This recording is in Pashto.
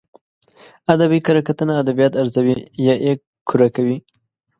ادبي کره کتنه ادبيات ارزوي يا يې کره کوي.